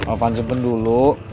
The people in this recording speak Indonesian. ovan sepen dulu